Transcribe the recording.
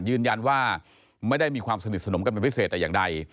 ยืนยันว่าไม่ได้มีความสนิทสนมกันเป็นพิเศษแต่อย่างใด